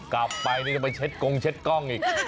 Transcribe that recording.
กลับไปนี่ก็ไปเช็ดกงเช็ดกล้องอีก